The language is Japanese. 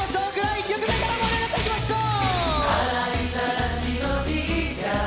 １曲目から盛り上がっていきましょう！